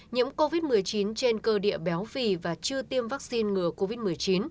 nhiễm covid một mươi chín trên cơ địa béo phì và chưa tiêm vaccine ngừa covid một mươi chín